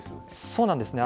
そうなんですね。